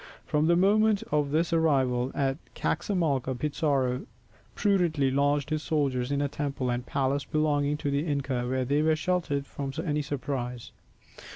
From the moment of his arrival at Caxamalca Pizarro prudently lodged his soldiers in a temple and a palace belonging to the inca, where they were sheltered from any surprise.